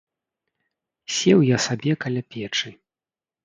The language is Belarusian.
Сеў я сабе каля печы.